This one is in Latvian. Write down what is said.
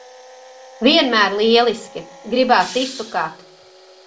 Vienmēr lieliski! Gribas izsukāt.